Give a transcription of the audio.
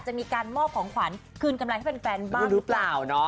จะมีการมอบของขวัญคืนกำไรให้แฟนบ้างหรือเปล่าเนาะ